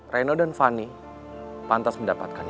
reno dan fanny pantas mendapatkan ini